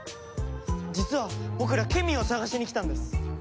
実は僕らケミーを探しにきたんです。